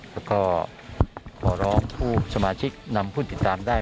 แล้วก็ขอร้องผู้สมาชิกนำผู้ติดตามได้